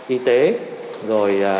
y tế rồi